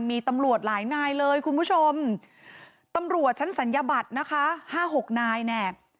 มีตำรวจหลายนายเลยคุณผู้ชมตำรวจชั้นศัลยบัตรนะคะห้าหกนายเนี่ย